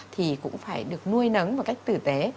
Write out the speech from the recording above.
thì cũng phải được nuôi nấng một cách tử tế